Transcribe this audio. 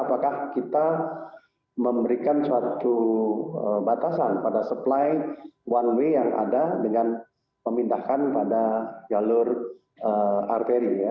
apakah kita memberikan suatu batasan pada supply one way yang ada dengan memindahkan pada jalur arteri ya